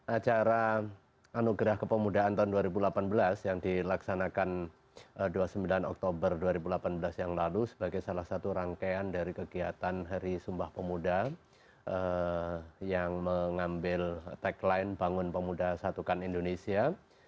acara anugerah kepemudaan tahun dua ribu delapan belas yang dilaksanakan dua puluh sembilan oktober dua ribu delapan belas yang lalu sebagai salah satu rangkaian dari kegiatan hari sumpah pemuda yang mengambil tagline bangun pemuda satukan indonesia